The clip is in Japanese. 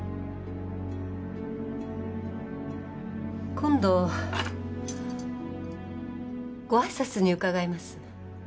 今度ご挨拶に伺います。